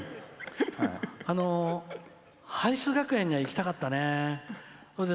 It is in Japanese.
ハリス学園には行きたかったね。